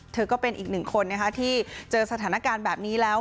ก็เป็นอีกหนึ่งคนที่เจอสถานการณ์แบบนี้แล้ว